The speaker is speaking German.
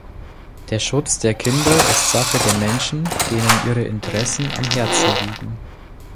Der Schutz der Kinder ist Sache der Menschen, denen ihre Interessen am Herzen liegen.